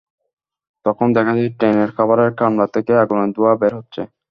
তখন দেখা যায়, ট্রেনের খাবারের কামড়া থেকে আগুনের ধোয়া বের হচ্ছে।